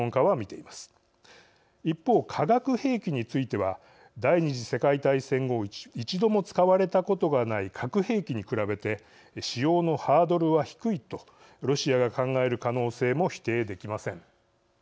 一方化学兵器については第二次世界大戦後一度も使われたことがない核兵器に比べて使用のハードルは低いとロシアが考える可能性も否定できません。